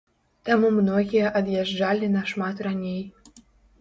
Таму многія ад'язджалі нашмат раней.